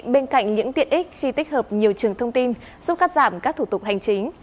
bên cạnh những tiện ích khi tích hợp nhiều trường thông tin giúp cắt giảm các thủ tục hành chính